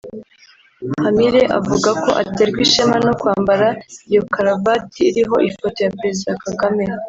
Hamire avuga ko aterwa ishema no kwambara iyo karuvati iriho ifoto ya Perezida Kagame